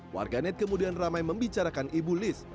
warganet kemudian ramai membicarakan ibu liz